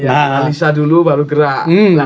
alisa dulu baru gerak